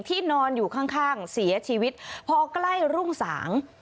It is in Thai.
ที่นอนอยู่ข้างเสียชีวิตพอกล้ายรุ่งสาง